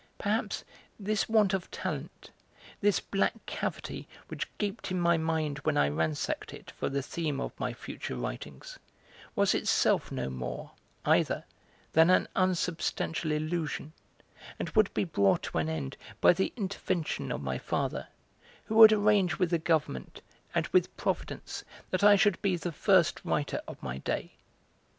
Perhaps this want of talent, this black cavity which gaped in my mind when I ransacked it for the theme of my future writings, was itself no more, either, than an unsubstantial illusion, and would be brought to an end by the intervention of my father, who would arrange with the Government and with Providence that I should be the first writer of my day.